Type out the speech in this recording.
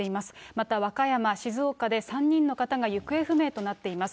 また和歌山、静岡で３人の方が行方不明となっています。